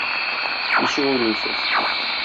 Ничек уйлыйсыз?